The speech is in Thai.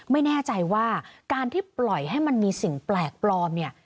ไม่แน่ใจว่าการที่ปล่อยให้มันมีสิ่งแปลกปลอมเนี่ย